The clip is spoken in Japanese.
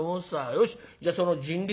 よしじゃその人力